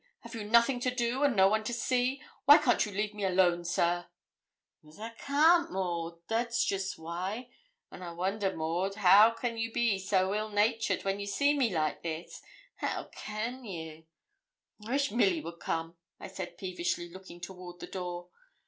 Have you nothing to do, and no one to see? Why can't you leave me alone, sir?' ''Cos I can't, Maud, that's jest why; and I wonder, Maud, how can you be so ill natured, when you see me like this; how can ye?' 'I wish Milly would come,' said I peevishly, looking toward the door.